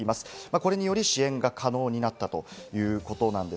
これにより支援が可能になったということなんです。